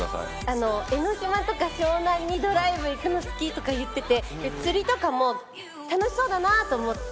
「江ノ島とか湘南にドライブ行くの好き」とか言ってて釣りとかも楽しそうだなと思って。